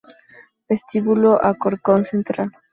Vestíbulo Alcorcón Central